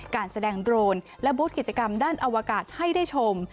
การแสดงโดรนและบูธกิจกรรมด้านอวกาศให้ได้ชม